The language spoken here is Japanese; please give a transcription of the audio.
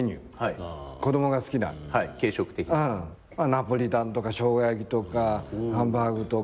ナポリタンとかしょうが焼きとかハンバーグとか。